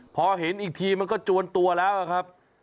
พอเห็นอีกทีมันก็จวนตัวแล้วครับ